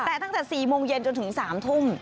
แต่ตั้งแต่๔โมงเย็นจนถึง๓ทุ่ม